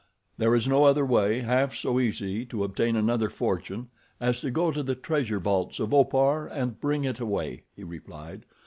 "There is no other way half so easy to obtain another fortune, as to go to the treasure vaults of Opar and bring it away," he replied.